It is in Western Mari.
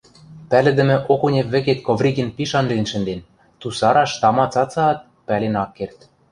Пӓлӹдӹмӹ Окунев вӹкет Ковригин пиш анжен шӹнден, тусараш, тама, цацаат, пӓлен ак керд.